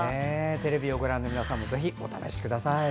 テレビをご覧の皆さんもぜひお試しください。